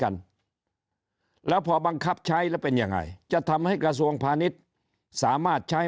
กันแล้วพอบังคับใช้แล้วเป็นยังไงจะทำให้กระทรวงพาณิชย์สามารถใช้